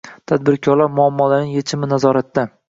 Tadbirkorlar muammolarining yechimi nazoratda